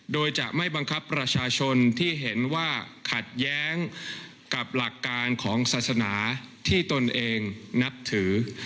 โดยจะไม่บังคับประชาชนที่เห็นว่าขัดแย้งกับหลักการของศาสนาที่ตนเองนับถือ